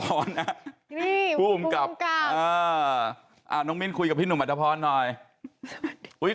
พี่หนุ่มอัตภรณน้องมินคุยกับพี่หนุ่มอัตภรณหน่อยอุ้ย